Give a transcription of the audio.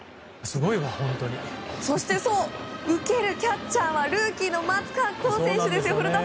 そして受けるキャッチャーはルーキーの松川虎生選手ですよ。